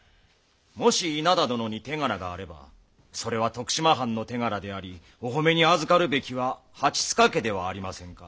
もし稲田殿に手柄があればそれは徳島藩の手柄でありお褒めにあずかるべきは蜂須賀家ではありませんか。